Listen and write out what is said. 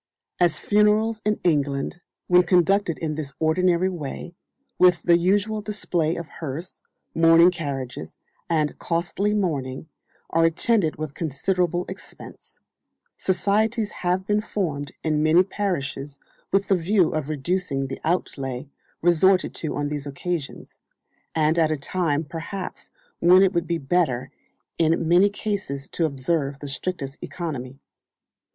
As funerals in England, when conducted in ths ordinary way, with the usual display of hearse, mourning carriages, and costly mourning, are attended with considerable expense, societies have been formed in many parishes with the view of reducing the outlay resorted to on these occasions, and at a time perhaps when it would be better in many cases to observe the strictest economy.